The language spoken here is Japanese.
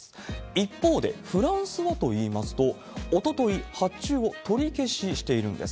一方でフランスはといいますと、おととい、発注を取り消ししているんです。